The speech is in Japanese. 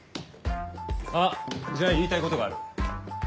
あっじゃあ言いたいことがある。